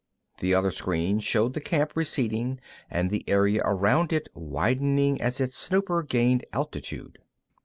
The other screen showed the camp receding and the area around it widening as its snooper gained altitude.